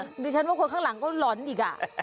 ริจิคเดียวประกอบท่าข้างหลังก็ร้อนอีกอ่ะ